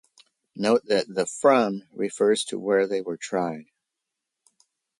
Note that the "from" refers to where they were tried.